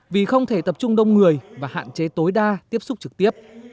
vì không thể tập trung đông người và hạn chế tối đa tiếp xúc trực tiếp